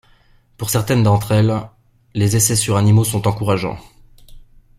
Pour certaines d’entre elles, les essais sur animaux sont encourageants.